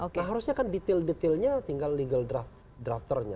nah harusnya kan detail detailnya tinggal legal drafternya